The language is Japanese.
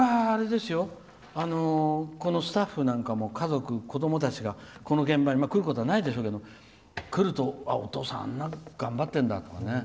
このスタッフなんかも家族、子どもたちがこの現場に来ることはないでしょうけど来ると、お父さんあんな頑張ってるんだって。